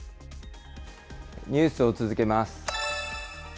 ニュースを続けます。